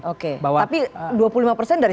oke tapi dua puluh lima persen dari